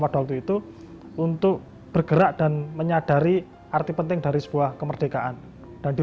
pada waktu itu untuk bergerak dan menyadari arti penting dari sebuah kemerdekaan dan di